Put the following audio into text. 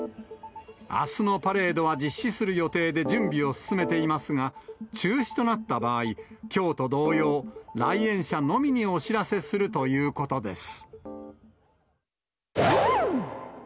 あすのパレードは実施する予定で準備を進めていますが、中止となった場合、きょうと同様、来園者のみにお知らせするということです。